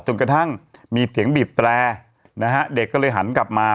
กระทั่งมีเสียงบีบแตรนะฮะเด็กก็เลยหันกลับมา